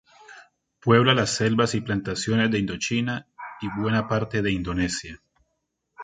Puebla las selvas y plantaciones de Indochina y buena parte de Indonesia.